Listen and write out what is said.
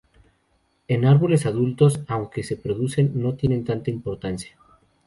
En árboles adultos, aunque se producen, no tienen tanta importancia.